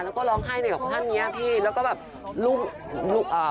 แล้วก็ร้องไห้เนี่ยกับท่านเนี้ยพี่แล้วก็แบบรูปอ่า